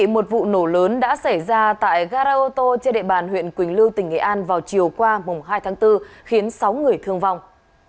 một vụ nổ lớn đã xảy ra tại gara ô tô trên địa bàn huyện quỳnh lưu tỉnh nghệ an vào chiều qua hai tháng bốn khiến sáu người thương vong